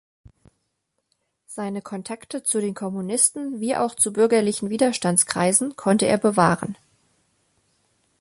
Seine Kontakte zu den Kommunisten wie auch zu bürgerlichen Widerstandskreisen konnte er bewahren.